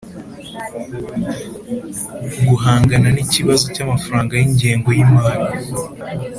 guhangana n'ikibazo cy'amafaranga y'ingengo y'imari